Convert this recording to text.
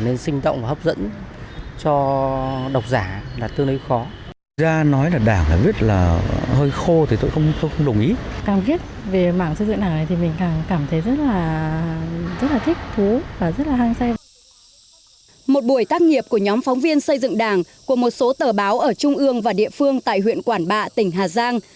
lắng nghe và chia sẻ với những người làm báo viết về xây dựng đảng của một số tờ báo ở trung ương và địa phương tại huyện quản bạ tỉnh hà giang